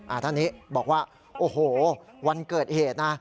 ท่านนี้บอกว่าโอ้โหวันเกิดเหตุนะ